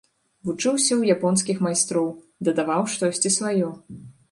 Вучыўся ў японскіх майстроў, дадаваў штосьці сваё.